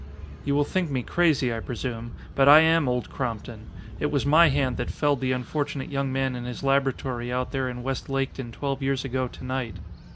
"You will think me crazy, I presume. But I am Old Crompton. It was my hand that felled the unfortunate young man in his laboratory out there in West Laketon twelve years ago to night.